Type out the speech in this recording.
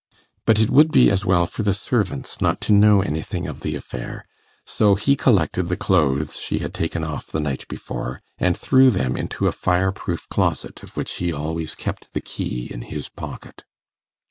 But it would be as well for the servants not to know anything of the affair: so he collected the clothes she had taken off the night before, and threw them into a fire proof closet of which he always kept the key in his pocket.